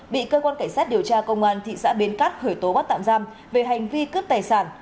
bị cơ quan cảnh sát điều tra công an thị xã bến cát khởi tố bắt tạm giam về hành vi cướp tài sản